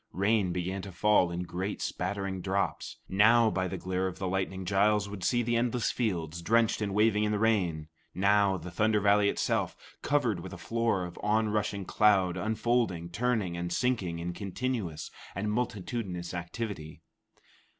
Rain began to fall in great spattering drops. Now, by the glare of the lightning, Giles would see the endless fields, drenched and waving in the rain; now the Thunder Valley itself, covered with a floor of onrushing cloud unfolding, turning, and sinking in continuous and multitudinous activity.